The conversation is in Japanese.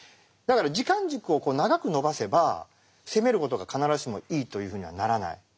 だから時間軸を長く延ばせば攻める事が必ずしもいいというふうにはならない。